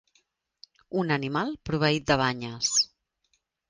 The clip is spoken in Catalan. Un animal proveït de banyes.